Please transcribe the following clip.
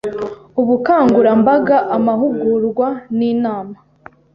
ubukangurambaga, amahugurwa n’inama